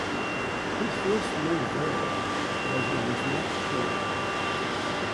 This list may vary as it is not current.